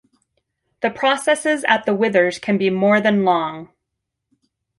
The processes at the withers can be more than long.